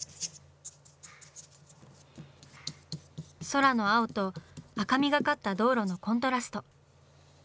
空の青と赤みがかった道路のコントラスト。